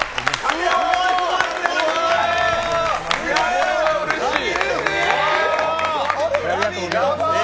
これはうれしい。